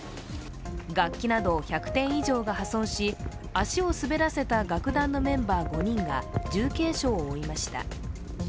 楽器など１００点以上が破損し足を滑らせた楽団のメンバー５人が重軽傷を負いました。